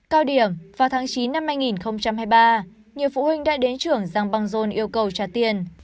cao điểm vào tháng chín năm hai nghìn hai mươi ba nhiều phụ huynh đã đến trưởng giang băng rôn yêu cầu trả tiền